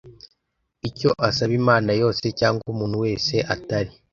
icyo asaba imana yose cyangwa umuntu wese atari